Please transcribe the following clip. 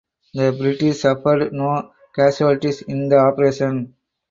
The British suffered no casualties in the operation.